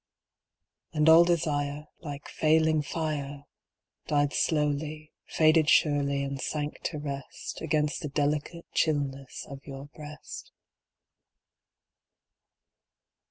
And all desire, Like failing fire, Died slowly, faded surely, and sank to rest Against the delicate chillness of your breast.